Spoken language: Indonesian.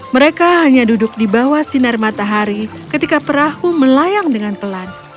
mereka hanya duduk di bawah sinar matahari ketika perahu melayang dengan pelan